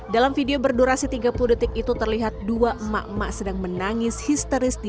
dalam video berdurasi tiga puluh detik itu terlihat dua emak emak sedang menangis histeris di